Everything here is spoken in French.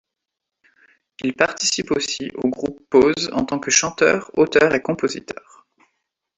Il participe aussi au groupe Pause en tant que chanteur, auteur et compositeur.